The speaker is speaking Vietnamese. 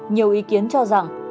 nhiều ý kiến cho rằng